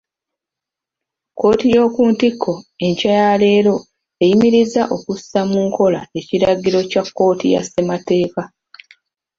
Kkooti y'okuntikko, enkya ya leero eyimirizza okussa mu nkola ekiragiro kya kkooti ya Ssemateeka.